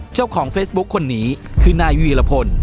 เจ้าของเฟซบุ๊คคนนี้คือนายวีรพล